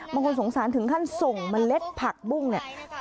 บางคนสงสารถึงขั้นส่งเมล็ดผักบุ้งเนี่ย